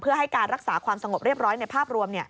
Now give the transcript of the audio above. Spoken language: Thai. เพื่อให้การรักษาความสงบเรียบร้อยในภาพรวม